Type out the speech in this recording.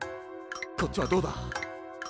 こっちはどうだ？